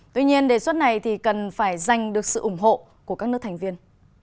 tuy nhiên đề xuất này cần phải dành được sự ủng hộ của các nước thành viên